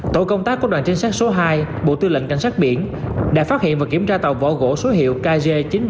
tội công tác của đoàn trinh sát số hai bộ tư lệnh cảnh sát biển đã phát hiện và kiểm tra tàu vỏ gỗ số hiệu kg chín mươi ba nghìn tám trăm ba mươi năm